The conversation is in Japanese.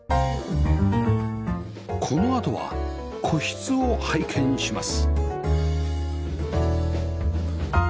このあとは個室を拝見します